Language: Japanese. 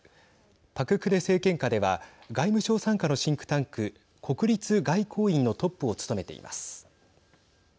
パク・クネ政権下では外務省傘下のシンクタンク国立外交院のトップを務めています。